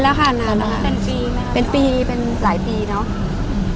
ภาษาสนิทยาลัยสุดท้าย